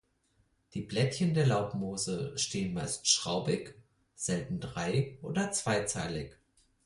Die Blättchen der Laubmoose stehen meist schraubig, selten drei- oder zweizeilig.